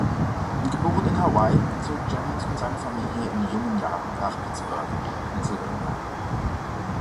Geboren in Hawaii zog Jennings mit seiner Familie in jungen Jahren nach Pittsburgh, Pennsylvania.